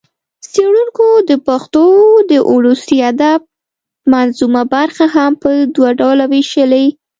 څېړنکو د پښتو د ولسي ادب منظومه برخه هم په دوه ډوله وېشلې